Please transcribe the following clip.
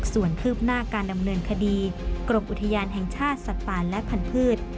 ส่วนคืบหน้าการดำเนินคดีกรมอุทยานแห่งชาติสัตว์ป่าและพันธุ์